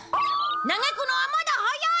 嘆くのはまだ早い！